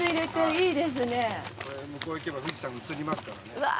向こう行けば富士山映りますからね。